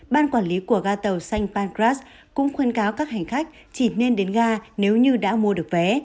ban quản lý của ga tàu sanh pancras cũng khuyên cáo các hành khách chỉ nên đến ga nếu như đã mua được vé